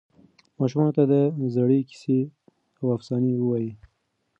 ماشومانو ته د زړې کیسې او افسانې ووایئ.